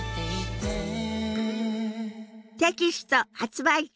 テキスト発売中！